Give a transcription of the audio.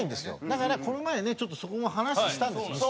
だからこの前ねちょっとそこも話したんですよ。